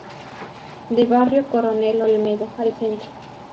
De Barrio Coronel Olmedo al Centro.